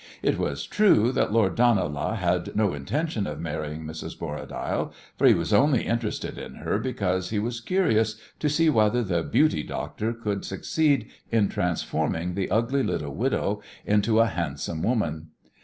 It was true that Lord Ranelagh had no intention of marrying Mrs. Borradaile, for he was only interested in her because he was curious to see whether the "beauty doctor" could succeed in transforming the ugly little widow into a handsome woman.